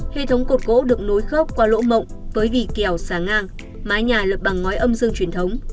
hệ thống cột gỗ được nối khớp qua lỗ mộng với vỉ kèo xá ngang mái nhà lựp bằng ngói âm dương truyền thống